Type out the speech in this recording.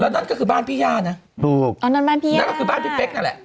แล้วนั่นก็คือบ้านพี่ย่านะนั่นก็คือบ้านพี่เป๊กนั่นแหละ